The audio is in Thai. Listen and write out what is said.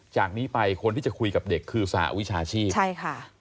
จากนี้ไปคนที่จะคุยกับเด็กคือสหวิชาชีพใช่ค่ะ